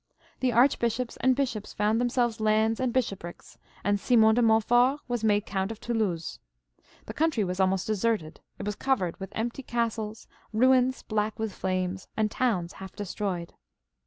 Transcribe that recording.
The archbishops and bishops found themselves lands and bishoprics, and Simon de Montfort was made Count of Toulouse. The country was almost deserted ; it was covered with empty castles, ruins black with flames, and towns half destroyed.